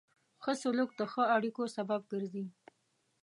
ښه سلوک د ښو اړیکو سبب ګرځي.